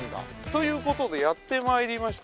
という事でやって参りました。